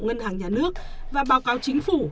ngân hàng nhà nước và báo cáo chính phủ